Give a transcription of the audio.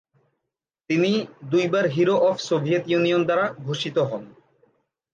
তিনি দুইবার hero of Soviet Union দ্বারা ভূষিত হন।